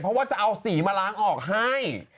เพราะว่าจะเอาสีมาล้างออกให้